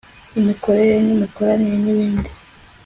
imikorere n'imikoranire n'ibindi